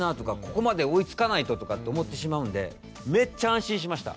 ここまで追いつかないととかって思ってしまうんでめっちゃ安心しました。